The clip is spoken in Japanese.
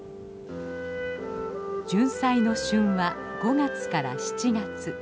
ジュンサイの旬は５月から７月。